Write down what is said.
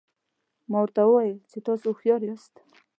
ما ورته وویل چې تاسي هوښیار یاست.